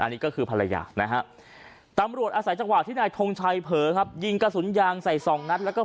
นี่ก็คือภรรยานะฮะตำรวจอาศัยจังหวะที่นายทงชัยเผลอครับยิงกระสุนยางใส่สองนัดแล้วก็